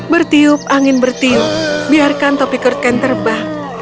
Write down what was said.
bertiup angin bertiup biarkan topi kurgen terbah